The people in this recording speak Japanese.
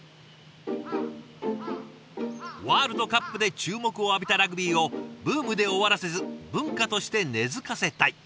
ワールドカップで注目を浴びたラグビーをブームで終わらせず文化として根づかせたい。